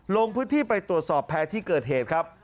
ลงพื้นที่ไปตรวจสอบแพ้ที่เกิดเหตุครับ